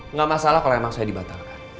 nggak masalah kalau emang saya dibatalkan